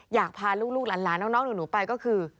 อยากพาลูกหลานน้องหนูไปก็คือ